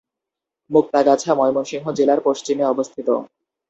মুক্তাগাছা ময়মনসিংহ জেলার পশ্চিমে অবস্থিত।